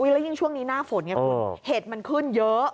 และยิ่งช่วงนี้หน้าฝนเนี่ยเห็ดขึ้นเยอะ